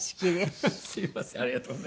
すみません。